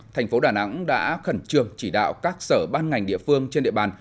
thành phố đà nẵng đã khẩn trương chỉ đạo các sở ban ngành địa phương trên địa bàn